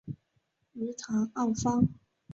于唐奥方。